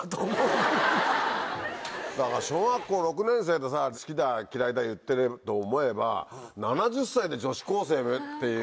小学校６年生でさ好きだ嫌いだ言ってると思えば７０歳で女子高生っていう。